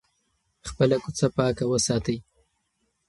خپله کوڅه پاکه وساتئ.